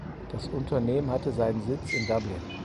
Das Unternehmen hatte seinen Sitz in Dublin.